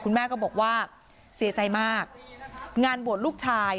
แม่ก็บอกว่าเสียใจมากงานบวชลูกชาย